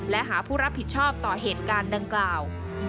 และหาผู้รับผิดชอบต่อเหตุการณ์ดังกล่าว